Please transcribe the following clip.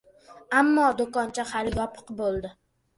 Ammo do‘koncha hali yopiq bo‘ldi.